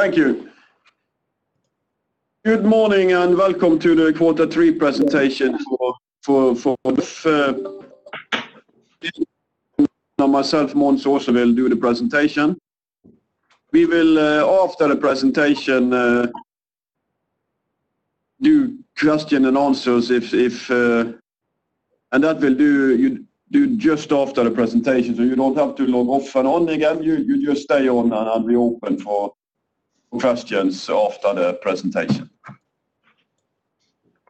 Thank you. Good morning and welcome to the Quarter Three Presentation for the firm. Myself, Mons, also will do the presentation. We will, after the presentation, do question and answers, and that we'll do just after the presentation, so you don't have to log off and on again. You just stay on and I'll be open for questions after the presentation.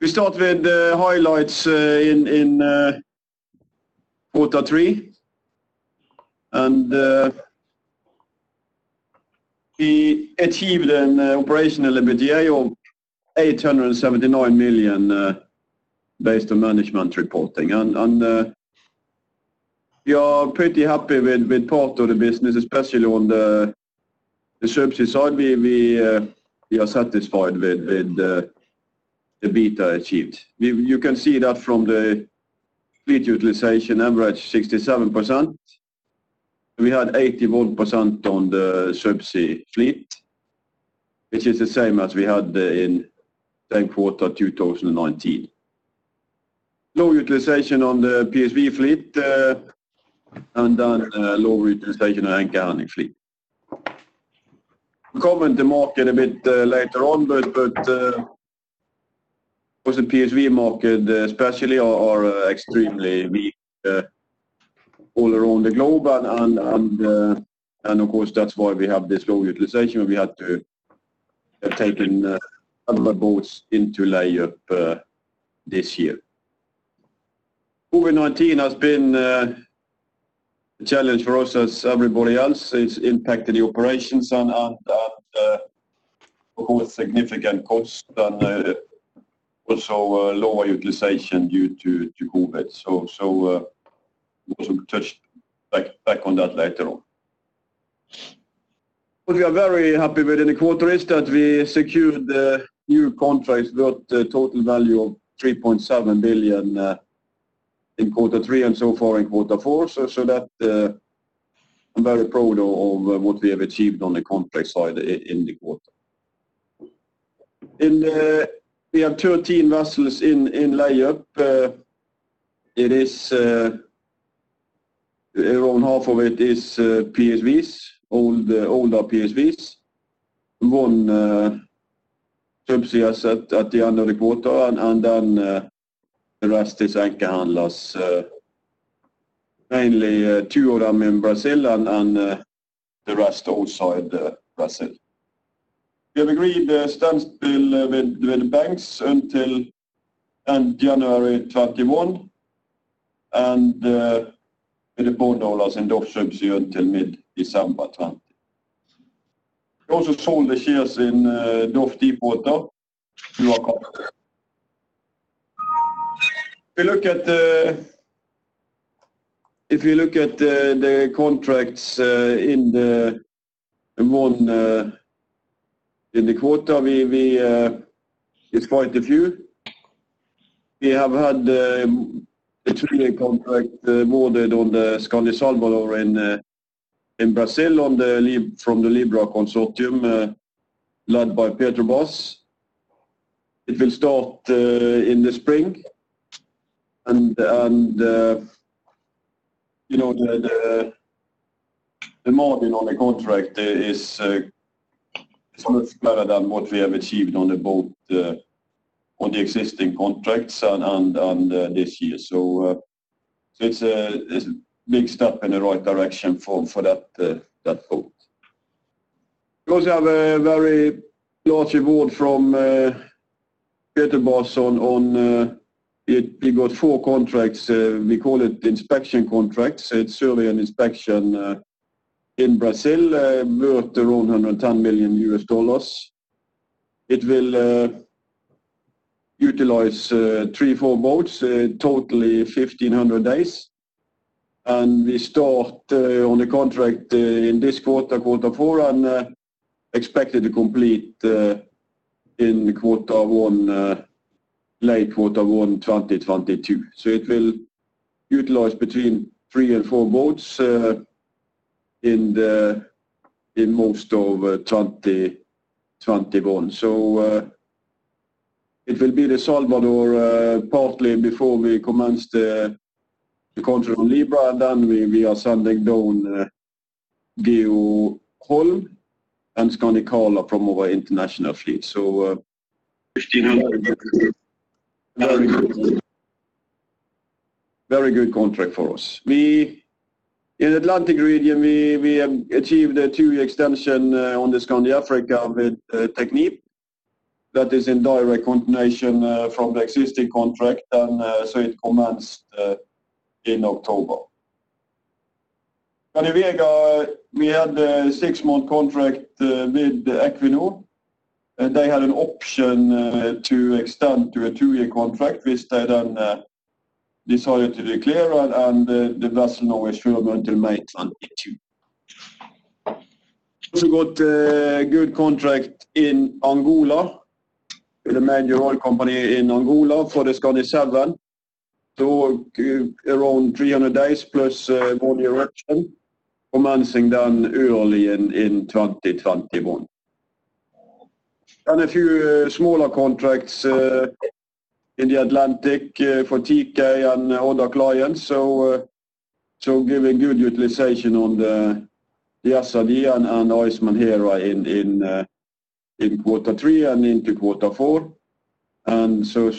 We start with the highlights in quarter three, and we achieved an operational EBITDA of 879 million based on management reporting. We are pretty happy with part of the business, especially on the Subsea side, we are satisfied with the EBITDA achieved. You can see that from the fleet utilization average, 67%. We had 81% on the Subsea fleet, which is the same as we had in the same quarter, 2019. Low utilization on the PSV fleet and then low utilization on anchor handling fleet. We'll comment the market a bit later on. Of course, the PSV market especially are extremely weak all around the globe and of course, that's why we have this low utilization. We had to have taken other boats into lay up this year. COVID-19 has been a challenge for us as everybody else. It's impacted the operations and with significant cost and also lower utilization due to COVID. We also touch back on that later on. What we are very happy with in the quarter is that we secured new contracts worth a total value of 3.7 billion in quarter three and so far in quarter four. I'm very proud of what we have achieved on the contract side in the quarter. We have 13 vessels in lay up. Around half of it is PSVs, older PSVs. One subsea asset at the end of the quarter, and then the rest is anchor handlers. Mainly two of them in Brazil and the rest outside the Brazil. We have agreed a standstill with the banks until end January 2021, and with the bondholders in DOF Subsea until mid December 2020. We also sold the shares in DOF Deepwater to Aker. If you look at the contracts in the quarter, it is quite a few. We have had a three-year contract awarded on the Skandi Salvador in Brazil from the Libra Consortium led by Petrobras. It will start in the spring and the margin on the contract is much better than what we have achieved on the existing contracts and this year. It is a big step in the right direction for that boat. We also have a very large award from Petrobras. We got four contracts, we call it inspection contracts. It's survey and inspection in Brazil worth around $110 million. It will utilize three, four boats, totally 1,500 days. We start on the contract in this quarter, quarter four, and expect it to complete in late quarter one 2022. It will utilize between three and four boats in most of 2021. It will be the Skandi Salvador partly before we commence the contract on Libra, and then we are sending down Geoholm and Skandi Carla from our international fleet. 1,500. Very good contract for us. In Atlantic Region, we have achieved a two-year extension on the Skandi Africa with Technip that is in direct continuation from the existing contract and so it commenced in October. In Skandi Vega, we had a six-month contract with Equinor. They had an option to extend to a two-year contract, which they then decided to declare and the vessel Normand Explorer went to maintenance in Q2. Got a good contract in Angola with a major oil company in Angola for the Skandi Seven. Around 300 days plus one-year option, commencing then early in 2021. A few smaller contracts in the Atlantic for Teekay and other clients. Giving good utilization on the Assadian and Oistman in quarter three and into quarter four. Also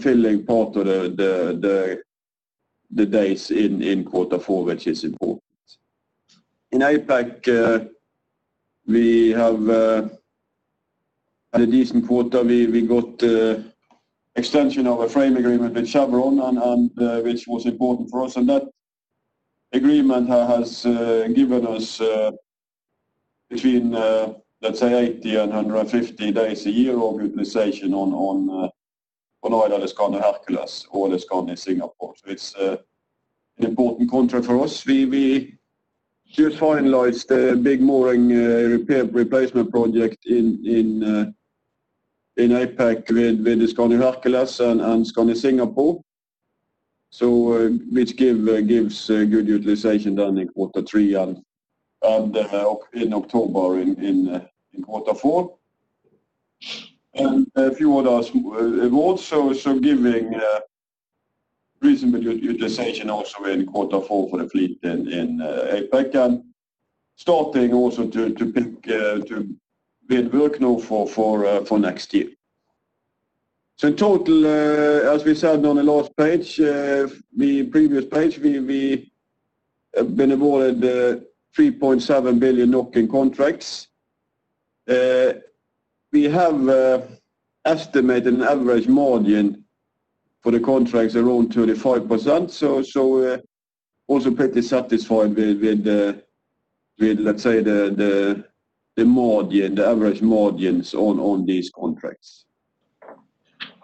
filling part of the days in quarter four, which is important. In APAC, we have had a decent quarter. We got extension of a frame agreement with Chevron, which was important for us. That agreement has given us between, let's say, 80-150 days a year of utilization on one either Skandi Hercules or Skandi Singapore. It's an important contract for us. We just finalized a big mooring repair replacement project in APAC with Skandi Hercules and Skandi Singapore, which gives good utilization done in quarter three and in October in quarter four. A few orders awards, giving reasonable utilization also in quarter four for the fleet in APAC, and starting also to bid work now for next year. In total, as we said on the last page, the previous page, we have been awarded 3.7 billion in contracts. We have estimated an average margin for the contracts around 25%. Also pretty satisfied with, let's say, the average margins on these contracts.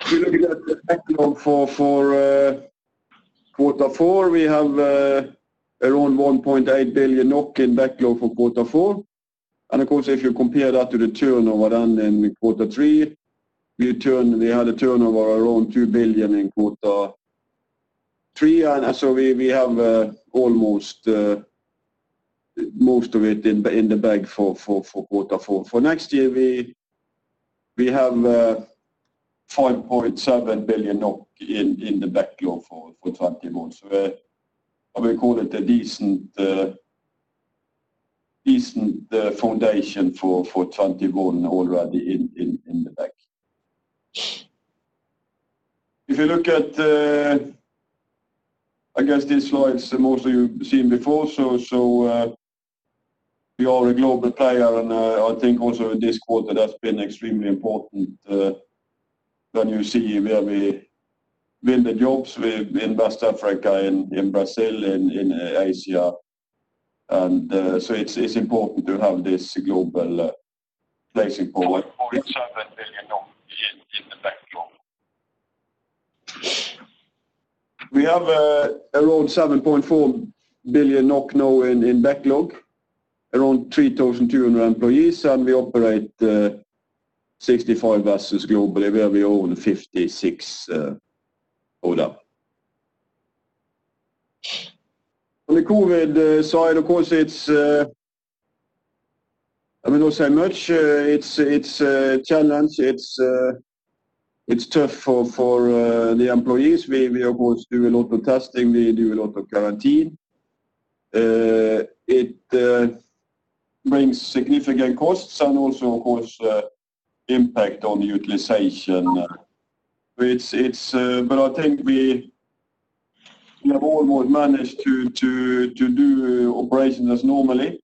If you look at the backlog for quarter four, we have around 1.8 billion NOK in backlog for quarter four. Of course, if you compare that to the turnover done in quarter three, we had a turnover around 2 billion in quarter three, we have almost most of it in the bag for quarter four. For next year, we have 5.7 billion NOK in the backlog for 2021. I will call it a decent foundation for 2021 already in the bag. If you look at I guess these slides mostly you've seen before, we are a global player, I think also this quarter that's been extremely important, when you see where we win the jobs, in West Africa, in Brazil and in Asia. It's important to have this global placing forward. NOK 47 billion in the backlog. We have around 7.4 billion NOK now in backlog, around 3,200 employees, and we operate 65 vessels globally, where we own 56 of them. On the COVID side, of course, I will not say much. It's a challenge. It's tough for the employees. We, of course, do a lot of testing. We do a lot of quarantine. It brings significant costs and also, of course, impact on utilization. I think we have almost managed to do operations as normally.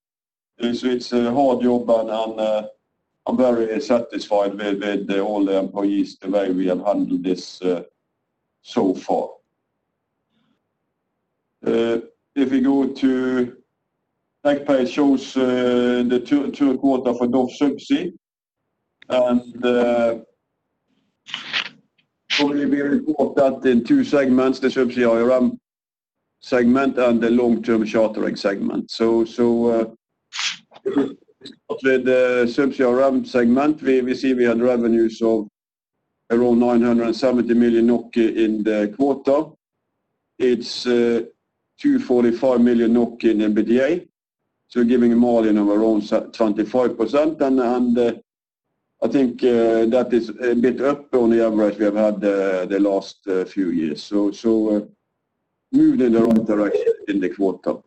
It's a hard job, and I'm very satisfied with all the employees, the way we have handled this so far. If you go to next page shows the two quarter for DOF Subsea, and probably we report that in two segments, the Subsea IRM segment and the long-term chartering segment. With the Subsea IRM segment, we see we had revenues of around 970 million NOK in the quarter. It's 245 million NOK in EBITDA, so giving a margin of around 25%. I think that is a bit up on the average we have had the last few years. Moved in the right direction in the quarter. We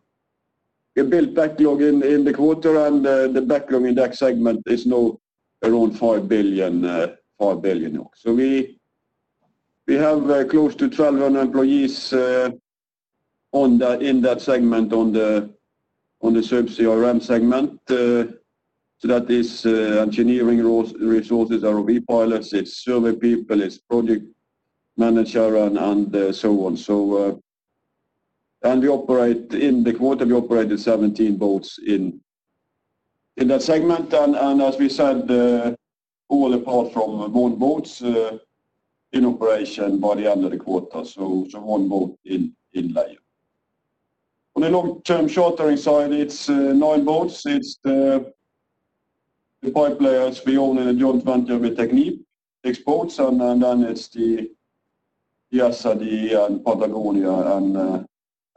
built backlog in the quarter and the backlog in that segment is now around 5 billion. We have close to 1,200 employees in that segment, on the Subsea IRM segment. That is engineering resources, ROV pilots, it's survey people, it's project manager and so on. In the quarter, we operated 17 boats in that segment, and as we said, all apart from one boat in operation by the end of the quarter. One boat in lay-up. On the long-term chartering side, it's nine boats. It's the pipe layers we own in a joint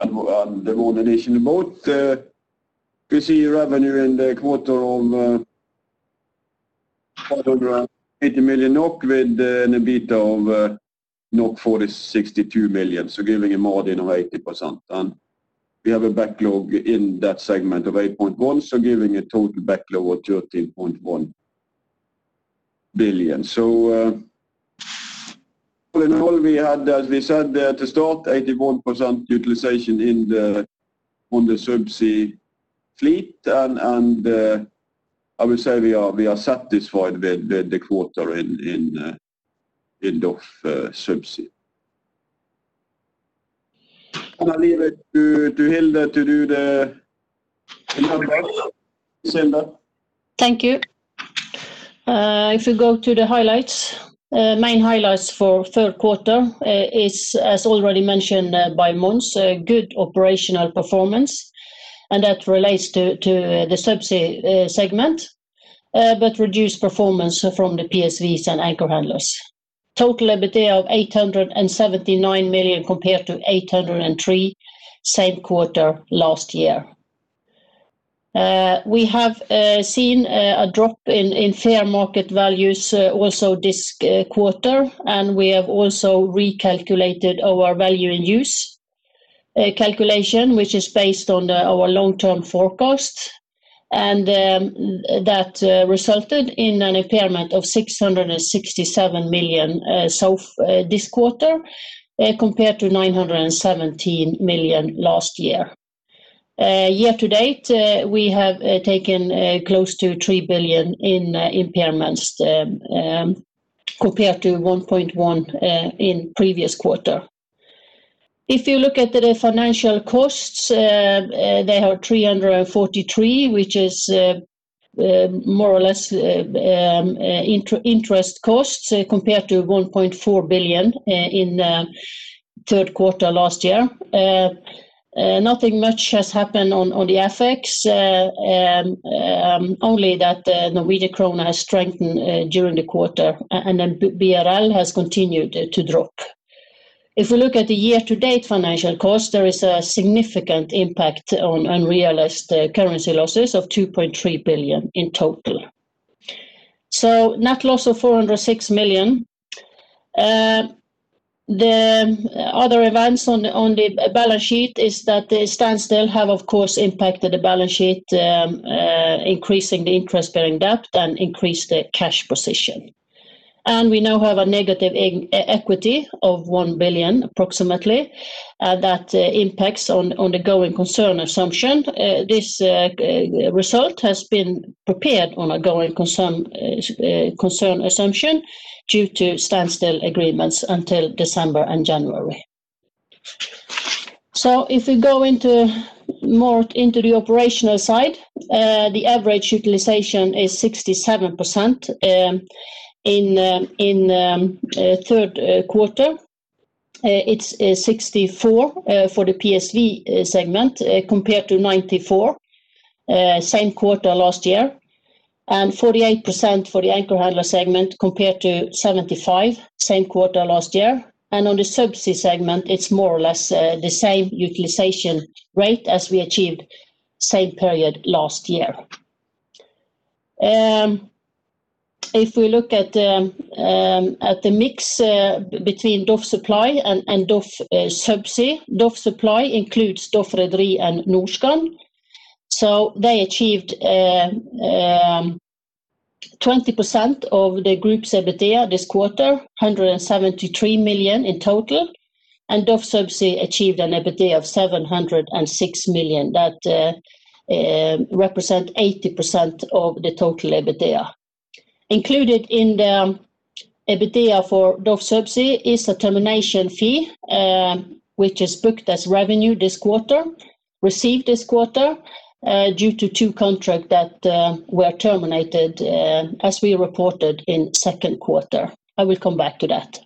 venture with Technip, six boats, and then it's the [Yesad] and Patagonia and the One Nation boat. You see revenue in the quarter of 580 million NOK with an EBITDA of 462 million, giving a margin of 80%. We have a backlog in that segment of 8.1 billion, giving a total backlog of 13.1 billion. All in all, we had, as we said to start, 81% utilization on the Subsea fleet and I would say we are satisfied with the quarter in DOF Subsea. I leave it to Hilde to do the numbers. Hilde? Thank you. If you go to the highlights, main highlights for third quarter is, as already mentioned by Mons, good operational performance, and that relates to the Subsea segment, but reduced performance from the PSVs and anchor handlers. Total EBITDA of 879 million compared to 803 million same quarter last year. We have seen a drop in fair market values also this quarter, and we have also recalculated our value in use calculation, which is based on our long-term forecast. That resulted in an impairment of 667 million this quarter compared to 917 million last year. Year to date, we have taken close to 3 billion in impairments compared to 1.1 billion in previous quarter. If you look at the financial costs, they are 343 million, which is more or less interest costs compared to 1.4 billion in third quarter last year. Nothing much has happened on the FX, only that the Norwegian krone has strengthened during the quarter and then BRL has continued to drop. If we look at the year-to-date financial cost, there is a significant impact on unrealized currency losses of 2.3 billion in total. Net loss of 406 million. The other events on the balance sheet is that the standstill have, of course, impacted the balance sheet, increasing the interest-bearing debt and increased the cash position. We now have a negative equity of 1 billion approximately, that impacts on the going concern assumption. This result has been prepared on a going concern assumption due to standstill agreements until December and January. If we go more into the operational side, the average utilization is 67% in third quarter. It's 64% for the PSV segment compared to 94% same quarter last year, and 48% for the Anchor Handler segment compared to 75% same quarter last year. On the Subsea segment, it's more or less the same utilization rate as we achieved same period last year. If we look at the mix between DOF Supply and DOF Subsea, DOF Supply includes DOF Rederi and Norskan. They achieved 20% of the group's EBITDA this quarter, 173 million in total, and DOF Subsea achieved an EBITDA of 706 million that represent 80% of the total EBITDA. Included in the EBITDA for DOF Subsea is a termination fee, which is booked as revenue this quarter, received this quarter due to two contract that were terminated as we reported in second quarter. I will come back to that.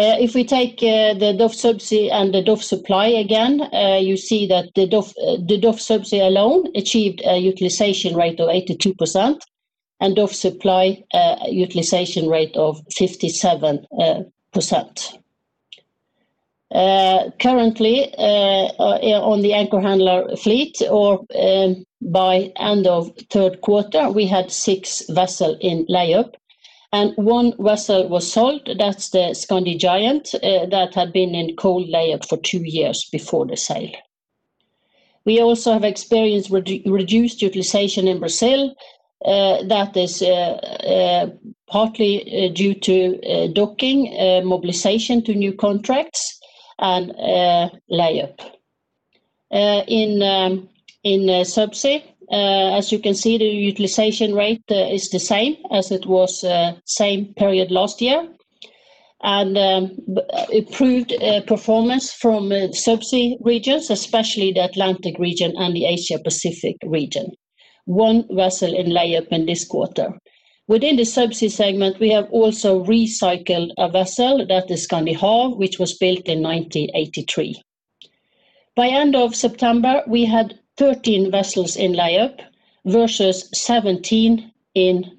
If we take the DOF Subsea and the DOF Supply again, you see that the DOF Subsea alone achieved a utilization rate of 82%, and DOF Supply utilization rate of 57%. Currently on the anchor handler fleet or by end of third quarter, we had six vessels in lay-up and one vessel was sold. That's the Skandi Giant that had been in cold lay-up for two years before the sale. We also have experienced reduced utilization in Brazil. That is partly due to docking, mobilization to new contracts, and lay-up. In Subsea, as you can see, the utilization rate is the same as it was same period last year and improved performance from Subsea regions, especially the Atlantic region and the Asia Pacific region. One vessel in lay-up in this quarter. Within the Subsea segment, we have also recycled a vessel, that is Skandi Hav, which was built in 1983. By end of September, we had 13 vessels in lay-up versus 17 in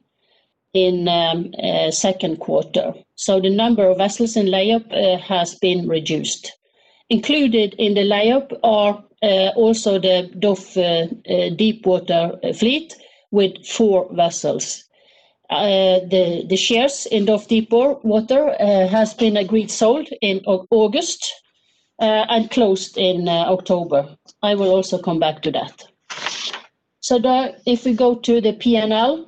second quarter. The number of vessels in lay-up has been reduced. Included in the lay-up are also the DOF Deepwater fleet with four vessels. The shares in DOF Deepwater has been agreed sold in August and closed in October. I will also come back to that. If we go to the P&L,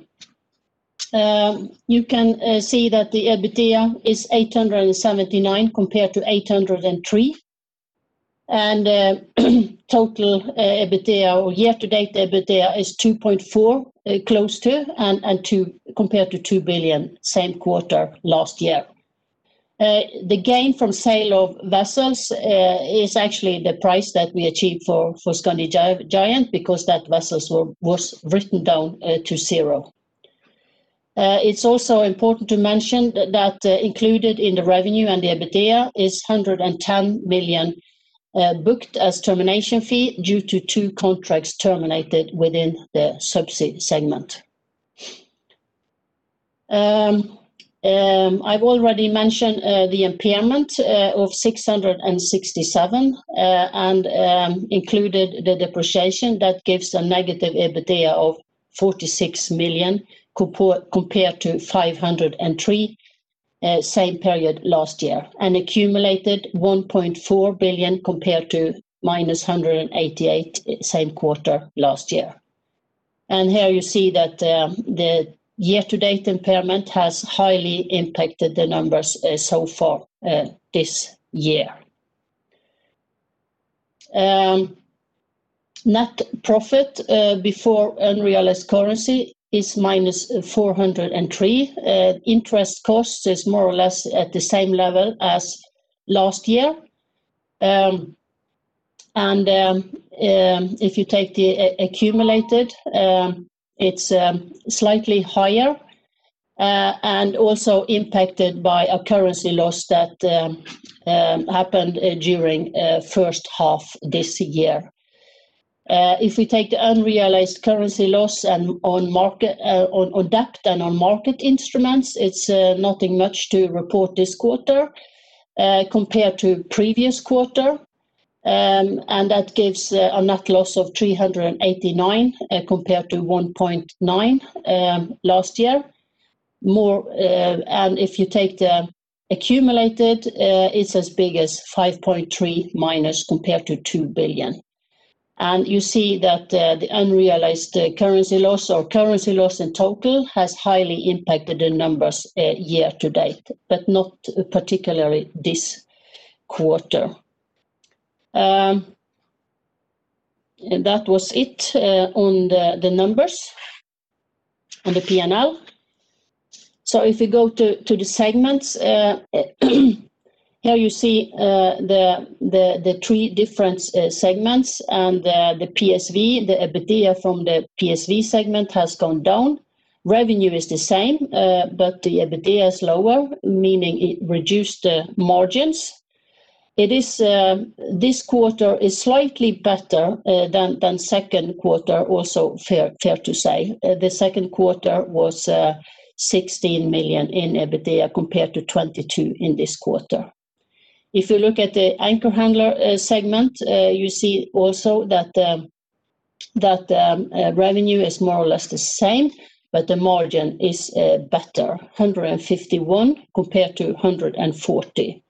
you can see that the EBITDA is 879 compared to 803. Total EBITDA or year-to-date EBITDA is 2.4 billion close to and compared to 2 billion same quarter last year. The gain from sale of vessels is actually the price that we achieved for Skandi Giant because that vessel was written down to zero. It's also important to mention that included in the revenue and the EBITDA is $110 million booked as termination fee due to two contracts terminated within the subsea segment. I've already mentioned the impairment of 667 and included the depreciation that gives a negative EBITDA of 46 million compared to 503 same period last year, and accumulated 1.4 billion compared to -188 same quarter last year. Here you see that the year-to-date impairment has highly impacted the numbers so far this year. Net profit before unrealized currency is -403. Interest cost is more or less at the same level as last year. If you take the accumulated, it's slightly higher and also impacted by a currency loss that happened during first half this year. If we take the unrealized currency loss on debt and on market instruments, it's nothing much to report this quarter compared to previous quarter. That gives a net loss of 389 compared to 1.9 last year. If you take the accumulated, it is as big as 5.3 minus compared to 2 billion. You see that the unrealized currency loss or currency loss in total has highly impacted the numbers year to date, but not particularly this quarter. That was it on the numbers on the P&L. If we go to the segments, here you see the three different segments and the PSV. The EBITDA from the PSV segment has gone down. Revenue is the same but the EBITDA is lower, meaning it reduced the margins. This quarter is slightly better than second quarter, also fair to say. The second quarter was 16 million in EBITDA compared to 22 in this quarter. If you look at the Anchor Handler segment, you see also that the revenue is more or less the same, but the margin is better, 151 compared to 140.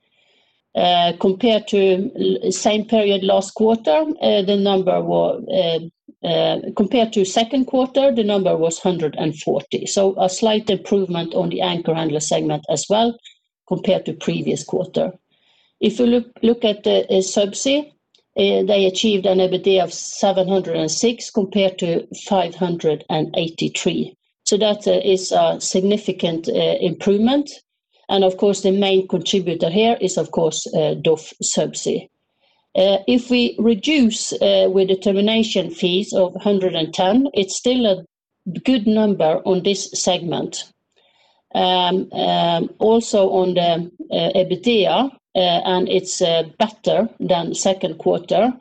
Compared to second quarter, the number was 140. A slight improvement on the Anchor Handler segment as well compared to previous quarter. If you look at the Subsea, they achieved an EBITDA of 706 compared to 583. That is a significant improvement, and of course, the main contributor here is, of course, DOF Subsea. If we reduce with the termination fees of 110, it's still a good number on this segment. Also on the EBITDA, it's better than second quarter.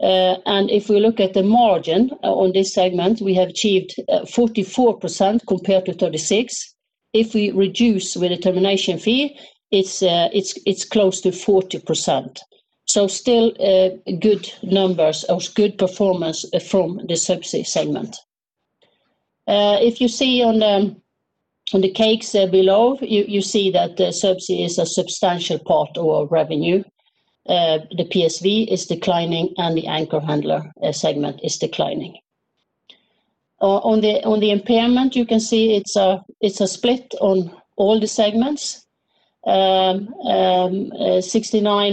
If we look at the margin on this segment, we have achieved 44% compared to 36%. If we reduce with the termination fee, it's close to 40%. Still good numbers or good performance from the Subsea segment. If you see on the charts below, you see that the Subsea is a substantial part of our revenue. The PSV is declining and the Anchor Handler segment is declining. On the impairment, you can see it's a split on all the segments. 69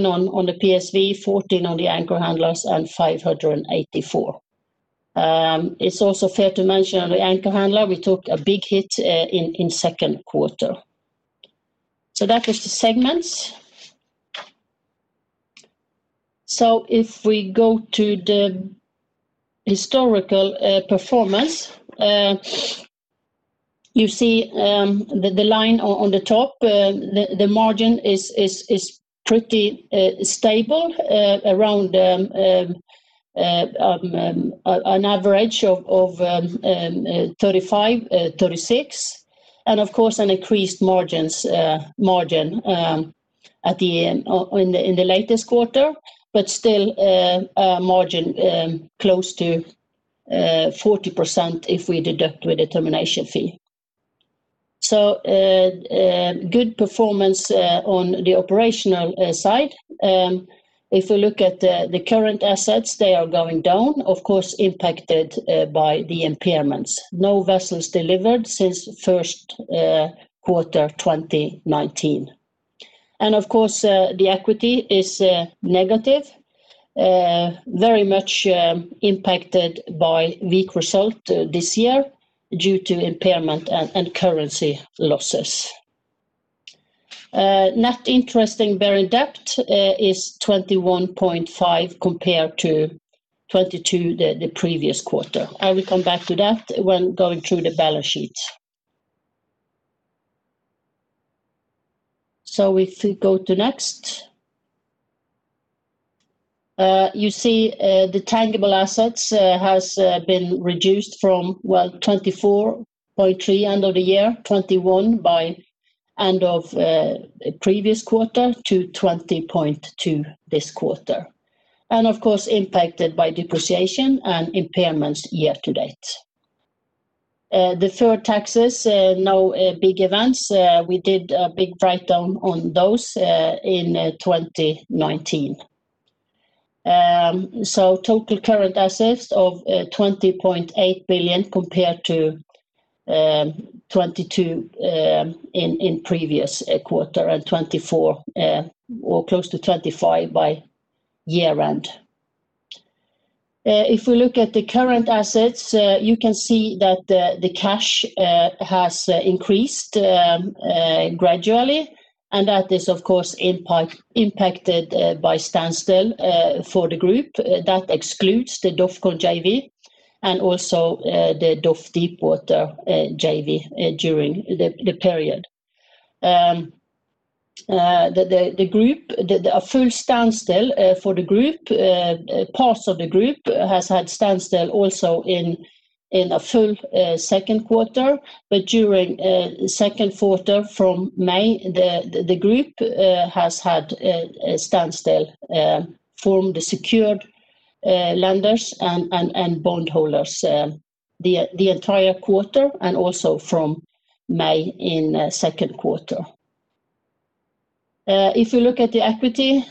on the PSV, 14 on the Anchor Handlers and 584. It's also fair to mention on the Anchor Handler, we took a big hit in second quarter. That was the segments. If we go to the historical performance. You see the line on the top, the margin is pretty stable around an average of 35%-36%, and of course, an increased margin in the latest quarter, but still a margin close to 40% if we deduct with the termination fee. Good performance on the operational side. If we look at the current assets, they are going down, of course, impacted by the impairments. No vessels delivered since first quarter 2019. Of course, the equity is negative, very much impacted by weak result this year due to impairment and currency losses. Net interest-bearing debt is 21.5 billion compared to 22 billion the previous quarter. I will come back to that when going through the balance sheet. If we go to next. You see the tangible assets has been reduced from, well, 24.3 billion end of the year, 21 billion by end of previous quarter, to 20.2 billion this quarter. Of course, impacted by depreciation and impairments year to date. Deferred taxes, no big events. We did a big write-down on those in 2019. Total current assets of 20.8 billion compared to 22 billion in previous quarter and 24 billion, or close to 25 billion by year-end. If we look at the current assets, you can see that the cash has increased gradually, and that is, of course, impacted by standstill for the group. That excludes the DOFCON JV and also the DOF Deepwater JV during the period. A full standstill for the group. Parts of the group has had standstill also in a full second quarter. During second quarter from May, the group has had a standstill from the secured lenders and bondholders the entire quarter and also from May in second quarter. If you look at the equity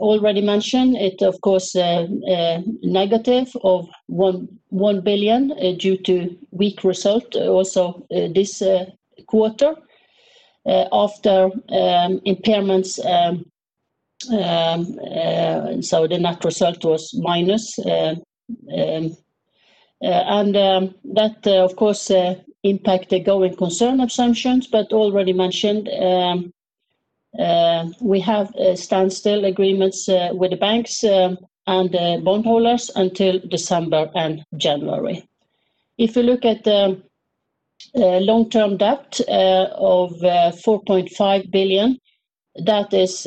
already mentioned, it, of course, negative of 1 billion due to weak result also this quarter after impairments, so the net result was minus. That, of course, impact the going concern assumptions, but already mentioned, we have standstill agreements with the banks and bondholders until December and January. If you look at the long-term debt of 4.5 billion, that is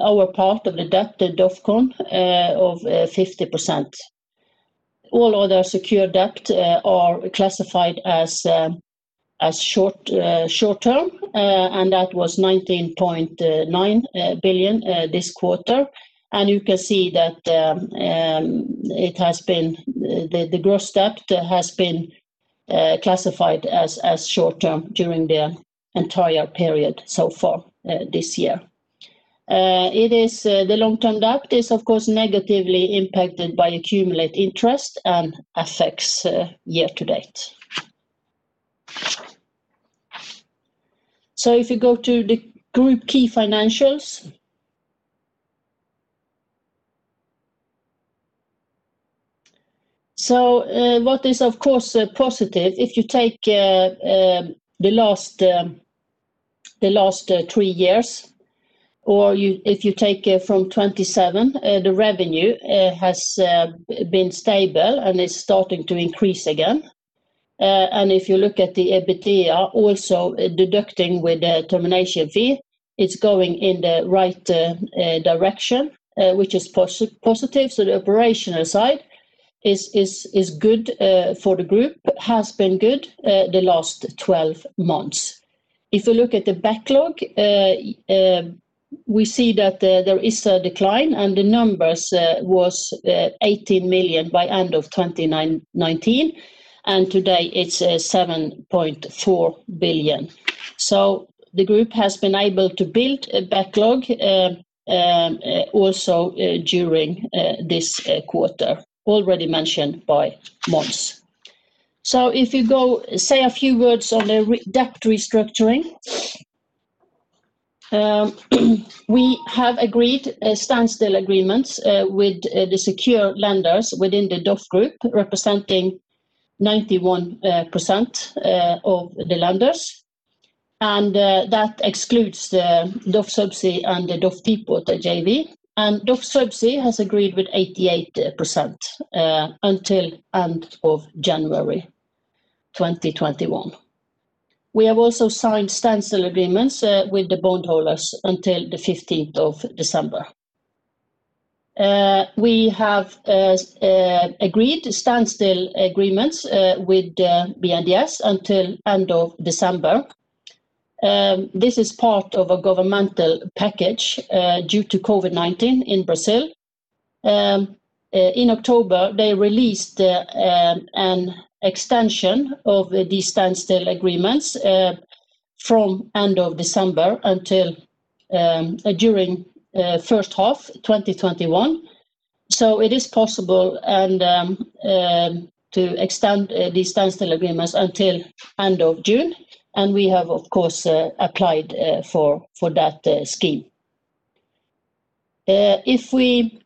our part of the debt to DOFCON JV of 50%. All other secure debt are classified as short-term, that was 19.9 billion this quarter. You can see that the gross debt has been classified as short-term during the entire period so far this year. The long-term debt is, of course, negatively impacted by accumulate interest and affects year to date. If you go to the group key financials. What is, of course, positive, if you take the last three years, or if you take it from 2017, the revenue has been stable and is starting to increase again. If you look at the EBITDA, also deducting with the termination fee, it's going in the right direction, which is positive. The operational side is good for the group, has been good the last 12 months. If you look at the backlog, we see that there is a decline, and the numbers was 18 million by end of 2019, and today it's 7.4 billion. The group has been able to build a backlog, also during this quarter, already mentioned by Mons. If you go say a few words on the debt restructuring. We have agreed standstill agreements with the secure lenders within the DOF Group representing 91% of the lenders. That excludes the DOF Subsea and the DOF Deepwater JV. DOF Subsea has agreed with 88% until end of January 2021. We have also signed standstill agreements with the bondholders until the 15th of December. We have agreed standstill agreements with BNDES until end of December. This is part of a governmental package due to COVID-19 in Brazil. In October, they released an extension of these standstill agreements from end of December during first half 2021. It is possible to extend these standstill agreements until end of June, and we have, of course, applied for that scheme. If we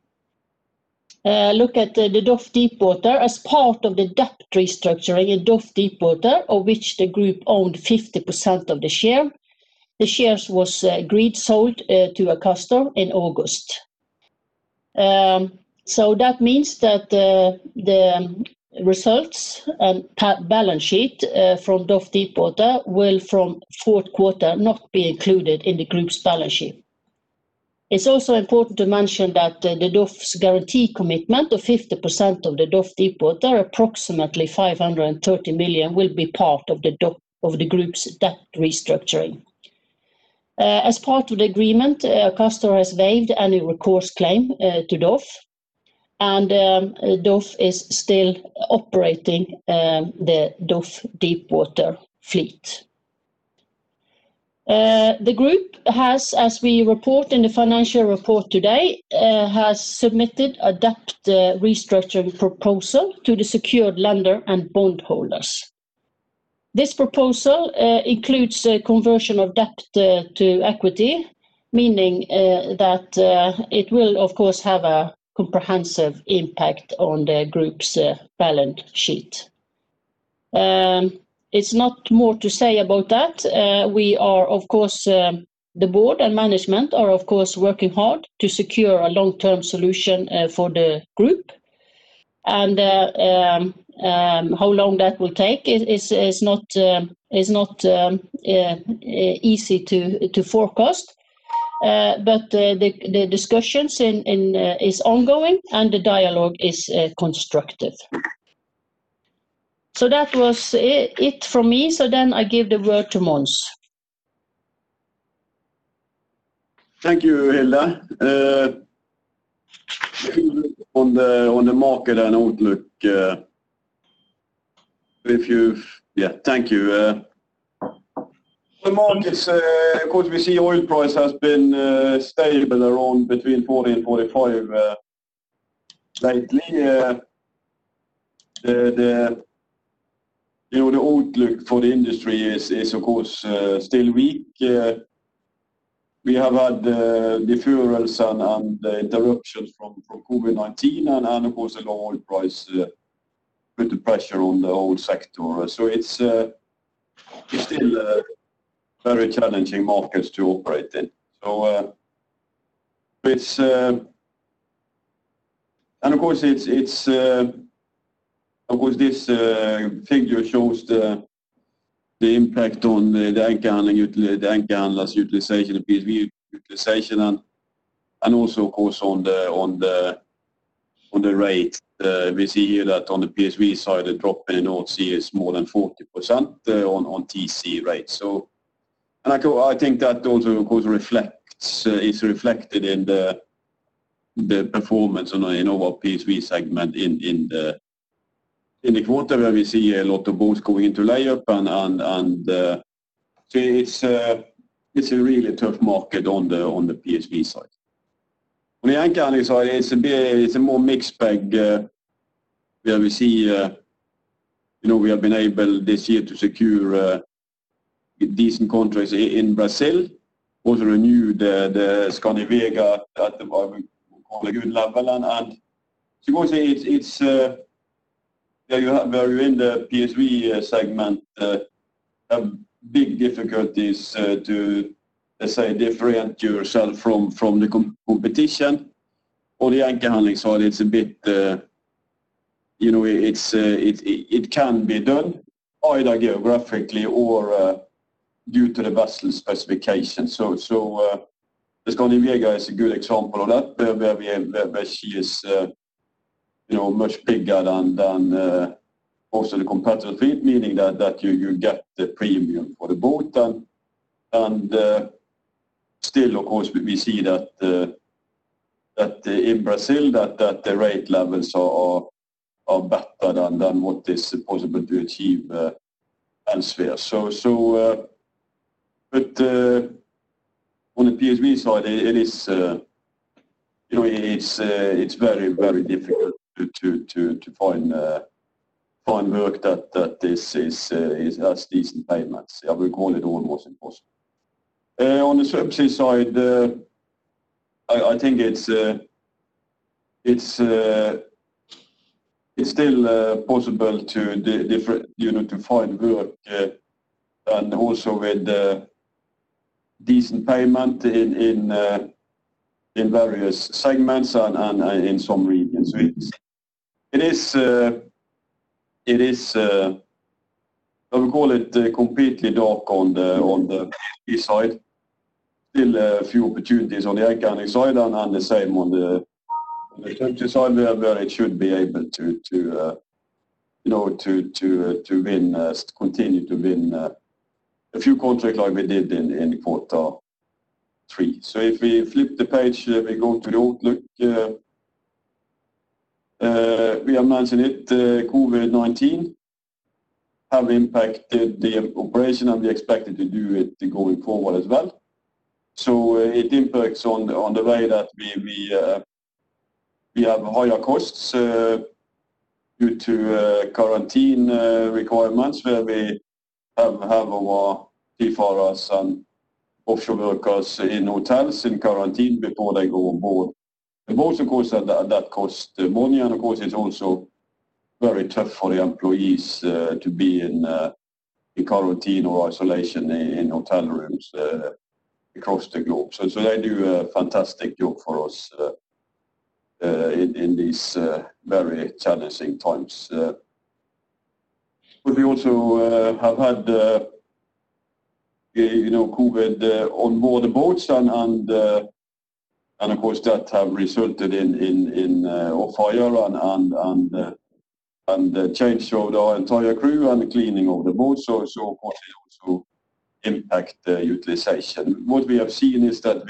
look at the DOF Deepwater as part of the debt restructuring in DOF Deepwater, of which the group owned 50% of the share, the shares was agreed sold to a customer in August. That means that the results and balance sheet from DOF Deepwater will from fourth quarter not be included in the group's balance sheet. It is also important to mention that the DOF's guarantee commitment of 50% of the DOF Deepwater, approximately 530 million, will be part of the group's debt restructuring. As part of the agreement, a customer has waived any recourse claim to DOF, and DOF is still operating the DOF Deepwater fleet. The group has, as we report in the financial report today, submitted a debt restructuring proposal to the secured lender and bondholders. This proposal includes a conversion of debt to equity, meaning that it will, of course, have a comprehensive impact on the group's balance sheet. It's not more to say about that. The board and management are, of course, working hard to secure a long-term solution for the group. How long that will take is not easy to forecast. The discussions is ongoing, and the dialogue is constructive. That was it from me. I give the word to Mons. Thank you, Hilde. On the market and outlook. Thank you. The markets, of course, we see oil price has been stable around between 40% and 45% lately. The outlook for the industry is, of course, still weak. We have had the fuel and the interruptions from COVID-19 and, of course, the oil price put the pressure on the whole sector. It's still very challenging markets to operate in. Of course, this figure shows the impact on the anchor handling utilization, the PSV utilization, and also, of course, on the rate. We see here that on the PSV side, the drop in North Sea is more than 40% on TCE rates. I think that also is reflected in the performance in our PSV segment in the quarter, where we see a lot of boats going into layup and it's a really tough market on the PSV side. On the anchor handling side, it's a more mixed bag where we see we have been able this year to secure decent contracts in Brazil. Also renewed the Skandi Vega out of Lavalin. Of course, where you're in the PSV segment, big difficulties to, let's say, differentiate yourself from the competition. On the anchor handling side, it can be done either geographically or due to the vessel specifications. Skandi Vega is a good example of that, where she is much bigger than most of the competitor fleet, meaning that you get the premium for the boat. Still, of course, we see that in Brazil, that the rate levels are better than what is possible to achieve elsewhere. On the PSV side, it's very difficult to find work that has decent payments. I would call it almost impossible. On the Subsea side, I think it's still possible to find work, and also with decent payment in various segments and in some regions. It is, I would call it completely dark on the PSV side. Still a few opportunities on the anchor handling side and the same on the subsea side where it should be able to continue to win a few contracts like we did in quarter three. If we flip the page, we go to the outlook. We have mentioned it, COVID-19 have impacted the operation, and we expected to do it going forward as well. It impacts on the way that we have higher costs due to quarantine requirements where we have to have our seafarers and offshore workers in hotels in quarantine before they go on board the boats. Of course, that costs money, and of course, it's also very tough for the employees to be in quarantine or isolation in hotel rooms across the globe. They do a fantastic job for us in these very challenging times. We also have had COVID on board the boats and of course that have resulted in off-hire and change of the entire crew and the cleaning of the boat. Of course it also impact the utilization. What we have seen is that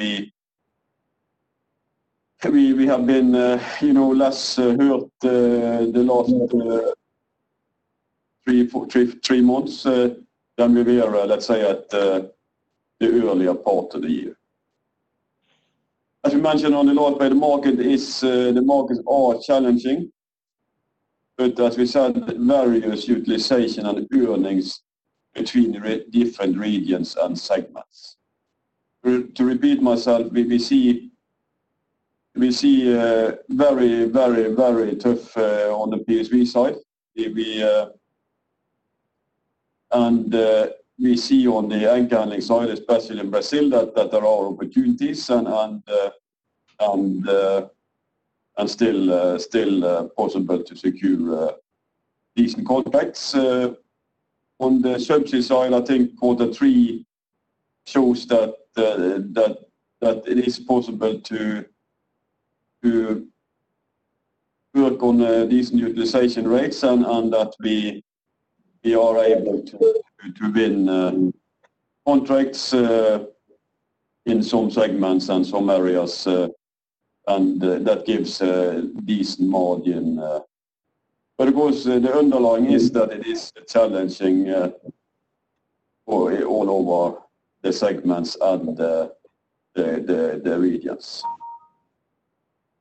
we have been less hurt the last three months than we were, let's say at the earlier part of the year. As we mentioned on the load by the market, the markets are challenging, but as we said, various utilization and earnings between different regions and segments. To repeat myself, we see very tough on the PSV side. We see on the anchor handling side, especially in Brazil, that there are opportunities and still possible to secure decent contracts. On the subsea side, I think quarter three shows that it is possible to work on decent utilization rates and that we are able to win contracts in some segments and some areas, and that gives a decent margin. Of course, the underlying is that it is challenging all over the segments and the regions.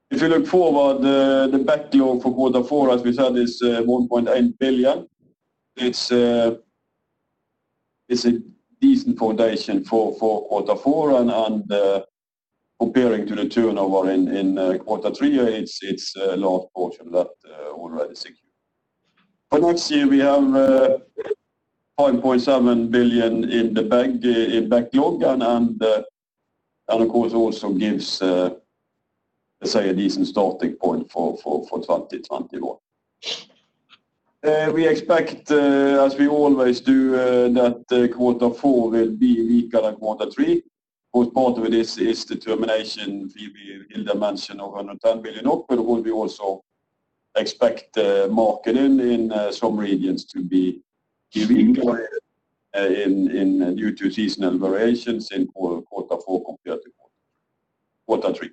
If you look forward, the backlog for quarter four as we said, is 1.8 billion. It's a decent foundation for quarter four and comparing to the turnover in quarter three, it's a large portion of that already secured. That of course also gives, let's say, a decent starting point for 2021. We expect as we always do that quarter four will be weaker than quarter three. Most part of it is the termination Hilde mentioned of NOK 110 billion, We also expect marketing in some regions to be weaker due to seasonal variations in quarter four compared to quarter three.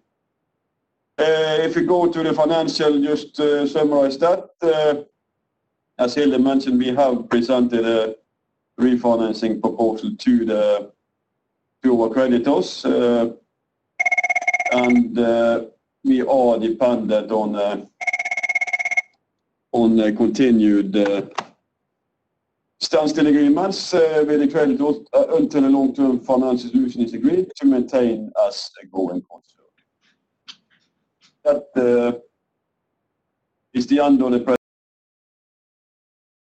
If you go to the financial, just to summarize that, as Hilde mentioned, we have presented a refinancing proposal to our creditors, We are dependent on continued standstill agreements with the creditors until a long-term financing solution is agreed to maintain us going concern. That is the end on the presentation